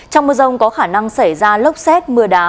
trong mưa rông có khả năng xảy ra lốc xét mưa đá